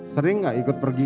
sering gak ikut pergi